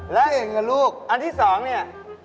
แล้วเองกับลูกอันที่สองเนี่ย